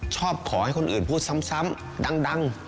ชอบขอให้คนอื่นพูดซ้ำดัง